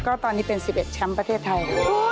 ก็ตอนนี้เป็น๑๑แชมป์ประเทศไทย